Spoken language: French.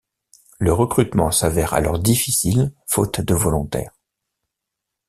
Le recrutement s'avère alors difficile faute de volontaires.